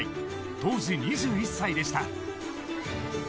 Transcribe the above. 当時２１歳でした。